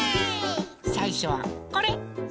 さいしょはこれ。